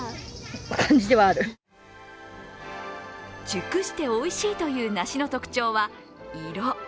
熟しておいしいという梨の特徴は色。